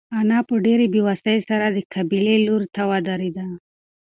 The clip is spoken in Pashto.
انا په ډېرې بېوسۍ سره د قبلې لوري ته ودرېده.